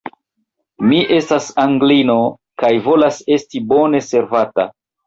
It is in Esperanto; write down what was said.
Mi estas Anglino, kaj volas esti bone servata.